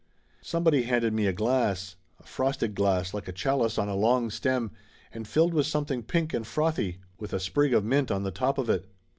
Somebody handed me a glass, a frosted glass like a chalice on a long stem, and filled with something pink and frothy, with a sprig of mint on the top of it.